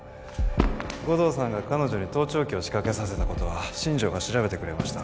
護道さんが彼女に盗聴器を仕掛けさせたことは新城が調べてくれました